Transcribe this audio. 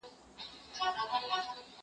زه به اوبه پاکې کړې وي!!